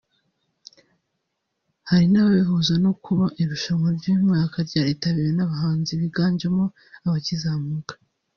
Hari n’ababihuza no kuba irushanwa ry’uyu mwaka ryaritabiriwe n’abahanzi biganjemo abakizamuka